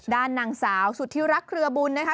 ด้านนางสาวสุธิรักเครือบุญนะคะ